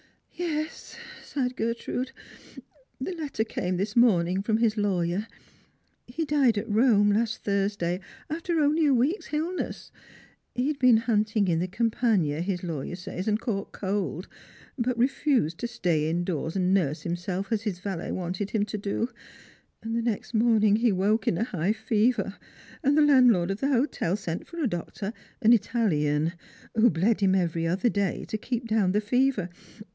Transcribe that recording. " Yes," sighed Gertrude ;" the letter came this morning from his lawyer. He died at Rome last Thursday, after only a week's illness. He had been hunting in the Campagna, his lawyer says, and caught cold, but refused to stay in doors and nurse himself, as his valet wanted him to do, and the next morning he woke in a high fever ; and the landlord of the hotel sent for a doctor, an Italian, who bled him every other day to keep down the fever.